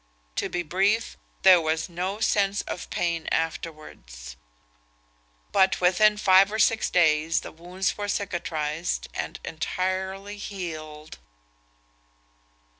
To be brief, there was no cense of pain afterwards; but within five or six days the wounds were sicatrised and entirely healed."